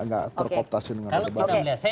gak terkooptasin dengan kelebaran